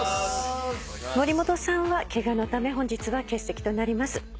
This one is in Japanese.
森本さんはケガのため本日は欠席となります。